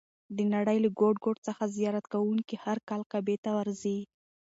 د نړۍ له ګوټ ګوټ څخه زیارت کوونکي هر کال کعبې ته ورځي.